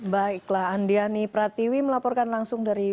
baiklah andiani pratiwi melaporkan langsung dari